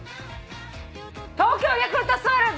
東京ヤクルトスワローズ